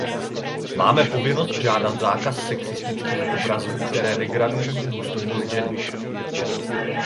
Máme povinnost žádat zákaz sexistických obrazů, které degradují důstojnost ženy.